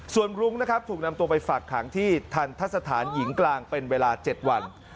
ส่วนรุ้งนะครับถูกนำตัวไปฝากขังที่ทันทะสถานหญิงกลางเป็นเวลา๗วัน